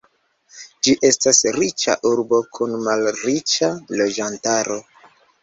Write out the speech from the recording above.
Ĝi estas riĉa urbo kun malriĉa loĝantaro.